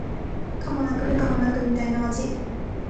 可もなく不可もなくみたいな味